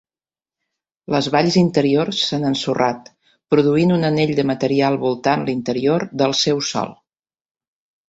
Les valls interiors s'han ensorrat, produint un anell de material voltant l'interior del seu sol.